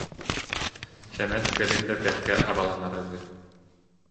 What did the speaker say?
Сэмэн кэлин да бэркэ абаланара үһү